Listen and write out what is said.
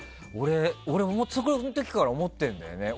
俺、その時から思ってるんだよね。